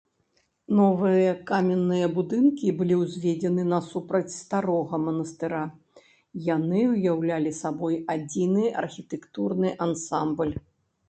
Новыя каменныя будынкі былі ўзведзены насупраць старога манастыра, яны ўяўлялі сабой адзіны архітэктурны ансамбль.